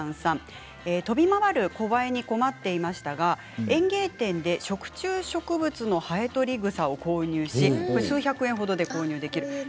飛び回るコバエに困っていましたが園芸店で食虫植物のハエトリグサを購入して数百円ほどで購入できるそうです。